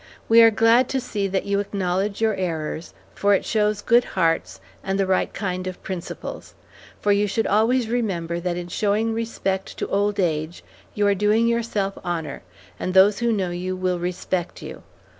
We are glad to see that you acknowledge your errors, for it shows good hearts, and the right kind of principles; for you should always remember that in showing respect to old age you are doing yourself honor, and those who know you will respect you.